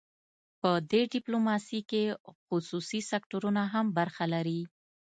په دې ډیپلوماسي کې خصوصي سکتورونه هم برخه لري